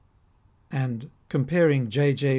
And, comparing J. J.